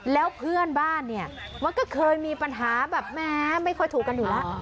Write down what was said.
แล้วเพื่อนบ้านเนี่ยมันก็เคยมีปัญหาแบบแม้ไม่ค่อยถูกกันอยู่แล้ว